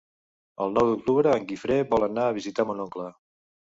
El nou d'octubre en Guifré vol anar a visitar mon oncle.